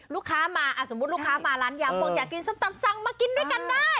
ลูกค้ามาสมมุติลูกค้ามาร้านยางพวกอยากกินส้มตำสั่งมากินด้วยกันได้